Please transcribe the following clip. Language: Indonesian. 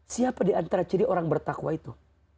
siapa di antara ciri orang bertakwa itu